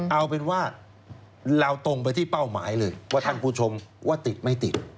เอาเป็นว่าเราตรงไปที่เป้าหมายเลยว่าท่านผู้ชมว่าติดไม่ติด